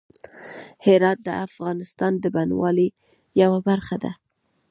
هرات د افغانستان د بڼوالۍ یوه برخه ده.